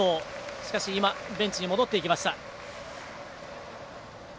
しかしベンチに戻っていきました。